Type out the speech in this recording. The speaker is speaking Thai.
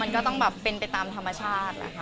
มันก็ต้องแบบเป็นไปตามธรรมชาติแหละค่ะ